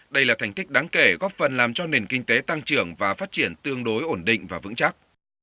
đây là thành tích đáng kể góp phần làm cho nền kinh tế tăng trưởng và phát triển tương đối ổn định và vững chắc